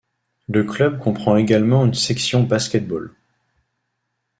Le club comprend également une section basket-ball.